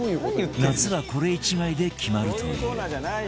夏はこれ１枚で決まるという